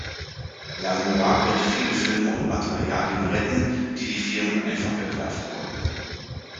Langlois konnte viele Filme und Materialien retten, die die Firmen einfach wegwerfen wollten.